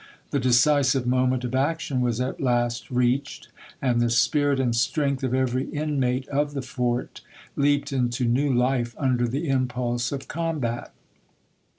The decisive moment of action was at last reached, and the spirit and strength of every inmate of the fort leaped into new life under the impulse of combat.